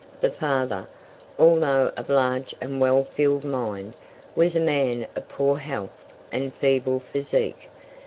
the father, although of large and well filled mind, was a man of poor health and feeble physique.